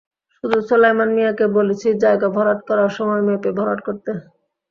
শুধু সোলায়মান মিয়াকে বলেছি জায়গা ভরাট করার সময় মেপে ভরাট করতে।